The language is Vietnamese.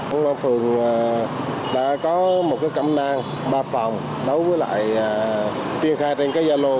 công an phường đã có một cái cẩm nang ba phòng đấu với lại chia khai trên cái gia lô